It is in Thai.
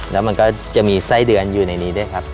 แล้วมันก็จะมีไส้เดือนอยู่ในนี้ด้วยครับ